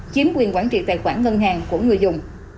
chiếm quyền quản trị tài khoản ngân hàng của người dùng